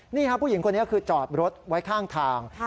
นี่ครับผู้หญิงคนนี้คือจอดรถไว้ข้างทาง